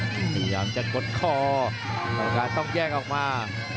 พยายามจะกดคอต้องแยกออกมา